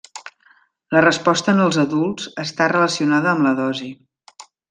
La resposta en els adults està relacionada amb la dosi.